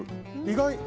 意外。